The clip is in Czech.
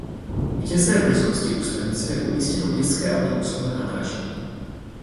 V těsné blízkosti u stanice je umístěno městské autobusové nádraží.